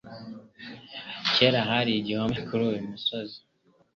Kera hari igihome kuri uyu musozi.